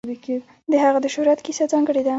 د هغه د شهرت کیسه ځانګړې ده.